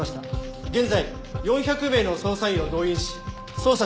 現在４００名の捜査員を動員し捜査しています。